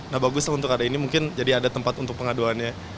nah bagus lah untuk ada ini mungkin jadi ada tempat untuk pengaduannya